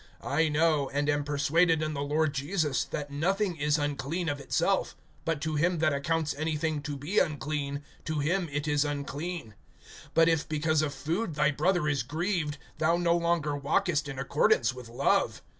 (14)I know, and am persuaded in the Lord Jesus, that nothing is unclean of itself; but to him that accounts anything to be unclean, to him it is unclean. (15)But if because of food thy brother is grieved, thou no longer walkest in accordance with love.